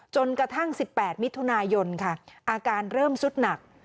จนกระทั่ง๑๘มิถุนายนค่ะอาการเริ่มสุดหนัก